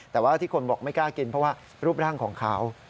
แต่ว่าที่คนบอกไม่กล้ากินเพราะว่ารูปร่างของเขา